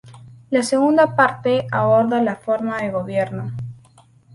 La segunda parte aborda la forma de gobierno.